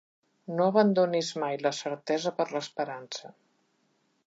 No abandonis mai la certesa per l'esperança.